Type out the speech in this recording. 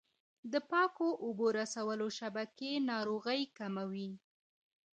د پاکو اوبو رسولو شبکې ناروغۍ کموي.